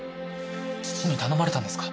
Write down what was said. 父に頼まれたんですか？